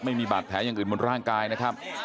ไม่มีบาดแผลอย่างอื่นบนร่างกายนะครับ